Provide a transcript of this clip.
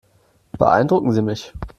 Beeindrucken Sie mich.